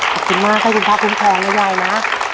ขอบคุณมากให้คุณพระคุ้มครองนะยายนะ